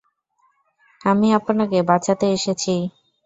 আমি আপনাকে বাঁচাতে এসেছি!